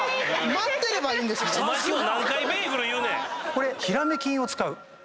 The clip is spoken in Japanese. これヒラメ筋を使う。